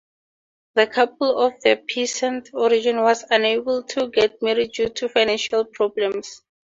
The couple, of peasant origin, was unable to get married due to financial problems.